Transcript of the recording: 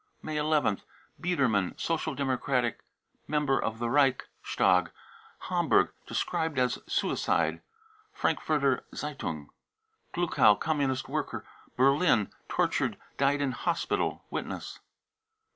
May 1 ith. biedermann, Social Democratic member of the Reic stag, Hamburg, described as suicide. ( Frankfurter Z e ^ un i gluckow, Communist worker, Berlin, tortured, died in hosj tal. (Witness.)